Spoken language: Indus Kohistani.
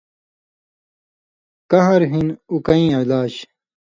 کھاݩر ہِن اوکیں علاج